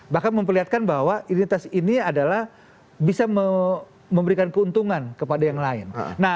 bahkan memperlihatkan bahwa identitas ini adalah bisa memberikan keuntungan kepada yang lain